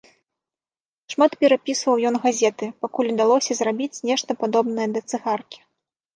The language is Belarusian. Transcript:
Шмат перапсаваў ён газеты, пакуль удалося зрабіць нешта падобнае да цыгаркі.